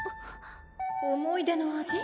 思い出の味？